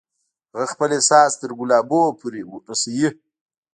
هغه خپل احساس تر ګلابونو پورې رسوي